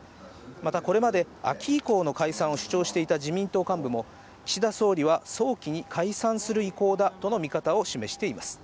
またこれまで、秋以降の解散を主張していた自民党幹部も、岸田総理は早期に解散する意向だとの見方を示しています。